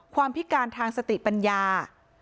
พิการทางสติปัญญา